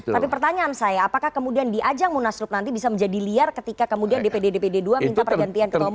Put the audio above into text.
tapi pertanyaan saya apakah kemudian di ajang munaslup nanti bisa menjadi liar ketika kemudian dpd dpd dua minta pergantian ketua umum